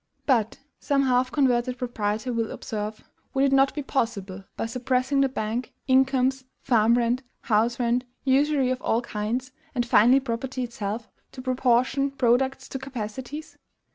But, some half converted proprietor will observe, "Would it not be possible, by suppressing the bank, incomes, farm rent, house rent, usury of all kinds, and finally property itself, to proportion products to capacities?